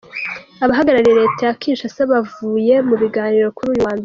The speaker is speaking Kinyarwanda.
Abahagarariye Leta ya Kinshasa bavuye mu biganiro kuri uyu wa mbere.